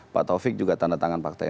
pak tovik juga tanda tangan pak tni